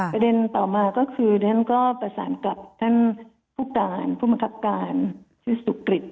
ประเด็นต่อมาก็คือท่านก็ประสานกับท่านผู้การผู้บังคับการชื่อสุกริต